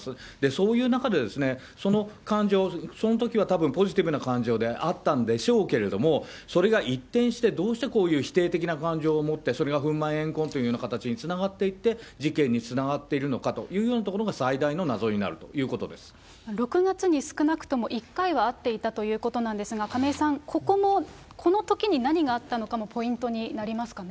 そういう中で、その感情、そのときはたぶんポジティブな感情であったんでしょうけれども、それが一転して、どうしてこういう否定的な感情を持って、それが憤まん、怨恨という形につながっていって、事件につながっているのかというようなところが最大の謎になると６月に少なくとも１回は会っていたということなんですが、亀井さん、ここの、このときに何があったのかもポイントになりますかね。